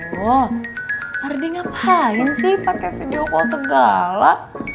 lardi ngapain sih pake video call segala